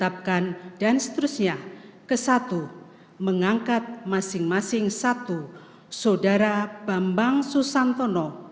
akan memenuhi kewajiban saya